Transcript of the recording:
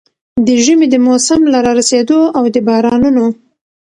د ژمي د موسم له را رسېدو او د بارانونو